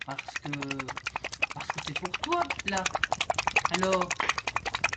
Parce que ?… parce que c’est pour toi, là ! alors…